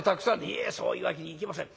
「いえそういうわけにいきません。